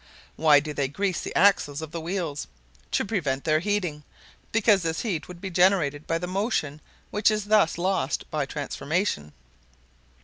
Why do they grease the axles of the wheels? To prevent their heating, because this heat would be generated by the motion which is thus lost by transformation."